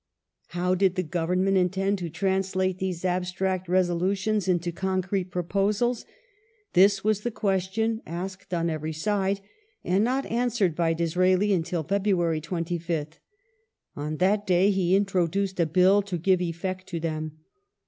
How did the Government intend to translate these abstract resolutions into concrete proposals ? This was the question asked on every side, and not answered by Disraeli until February 25th. On that day he introduced a Bill to give effect to them.